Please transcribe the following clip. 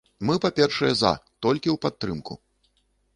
Мы, па-першае, за, толькі ў падтрымку.